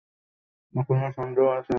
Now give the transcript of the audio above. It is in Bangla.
এখনও সন্দেহ আছে?